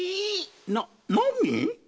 ななに？